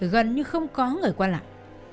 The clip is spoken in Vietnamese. gần như không có người qua lại